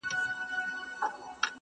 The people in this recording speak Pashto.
لټوم بایللی هوښ مي ستا د کلي په کوڅو کي-